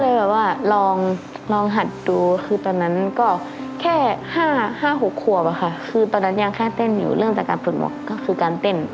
ก็เลยแบบว่าลองหัดดูคือตอนนั้นก็แค่๕๖ขวบอะค่ะคือตอนนั้นยังแค่เต้นอยู่เรื่องจากการปลดหมวกก็คือการเต้น